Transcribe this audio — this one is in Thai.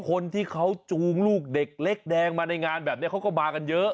คนที่เขาจูงลูกเด็กเล็กแดงมาในงานแบบนี้เขาก็มากันเยอะ